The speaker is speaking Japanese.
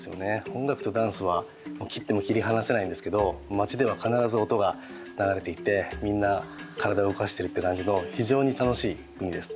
音楽とダンスは切っても切り離せないんですけど街では必ず音が流れていてみんな体を動かしてるって感じの非常に楽しい国です。